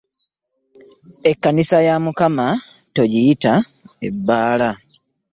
Ekkanisa ya Mukama togiyita ebbala.